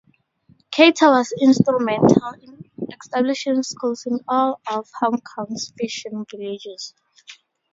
Cater was instrumental in establishing schools in all of Hong Kong's fishing villages.